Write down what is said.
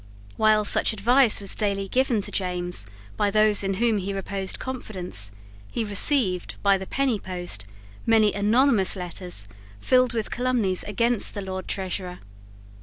While such advice was daily given to James by those in whom he reposed confidence, he received, by the penny post, many anonymous letters filled with calumnies against the Lord Treasurer.